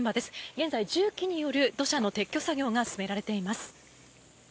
現在、重機による土砂の撤去作業が進められています。